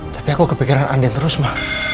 tapi aku kepikiran andi terus ma